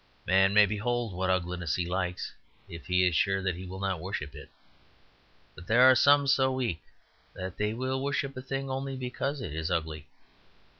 Man may behold what ugliness he likes if he is sure that he will not worship it; but there are some so weak that they will worship a thing only because it is ugly.